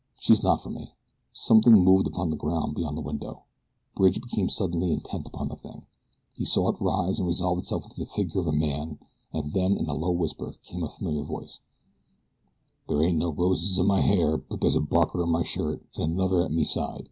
"She's not for me." Something moved upon the ground beyond the window. Bridge became suddenly intent upon the thing. He saw it rise and resolve itself into the figure of a man, and then, in a low whisper, came a familiar voice: "There ain't no roses in my hair, but there's a barker in my shirt, an' another at me side.